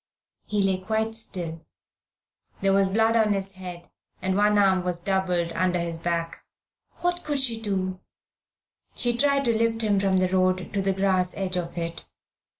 He lay quite still. There was blood on his head, and one arm was doubled under his back. What could she do? She tried to lift him from the road to the grass edge of it.